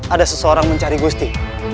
ada seseorang mencari gusti